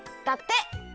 だって。